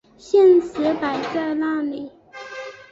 现实摆在哪里！